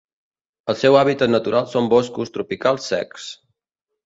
El seu hàbitat natural són boscos tropicals secs.